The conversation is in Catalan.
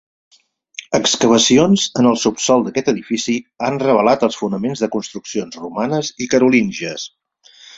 Excavacions en el subsòl d'aquest edifici han revelat els fonaments de construccions romanes i carolíngies.